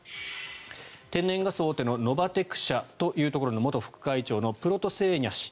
天然ガス大手のノバテク社というところの元副会長のプロトセーニャ氏。